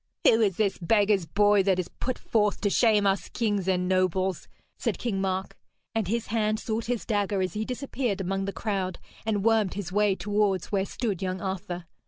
'Who is this beggar's boy that is put forth to shame us kings and nobles?' said King Mark, and his hand sought his dagger as he disappeared among the crowd and wormed his way towards where stood young Arthur.